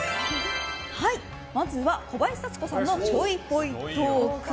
まずは小林幸子さんのぽいぽいトーク。